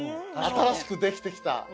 新しくできてきた。